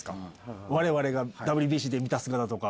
われわれがＷＢＣで見た姿とか。